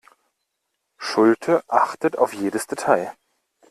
Schulte achtet auf jedes Detail.